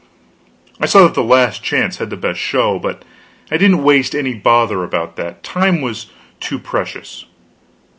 I saw that the last chance had the best show, but I didn't waste any bother about that; time was too precious.